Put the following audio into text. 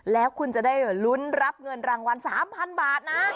แล้วคุณจะได้ลุ้นรับเงินรางวัล๓๐๐๐บาทนะ